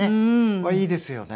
これいいですよね。